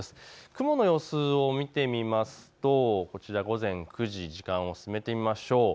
雲の様子を見てみますとこちら午前９時、時間を進めてみましょう。